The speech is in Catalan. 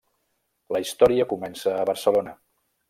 La història comença a Barcelona.